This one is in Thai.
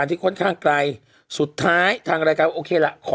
ไม่เกี่ยวกับค่าตัวเปิ้ลไอรินโบห์หยิบเงินในซองตนมองเป็นเรื่องส่วนตัวที่เราได้ขอไป